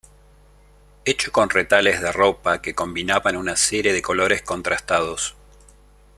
Hecho con retales de ropa que combinaban una serie de colores contrastados.